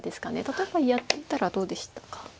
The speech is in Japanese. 例えばやってったらどうでしたか。